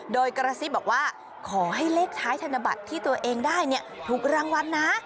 โดยกระซิบบอกว่าขอให้เลขท้ายธนบัตรที่ตัวเองได้ถูกรางวัลนะ